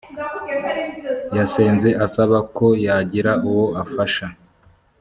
yasenze asaba ko yagira uwo afasha